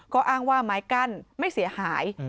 ก็อ้างว่าไม้กั้นไม่เสียหาย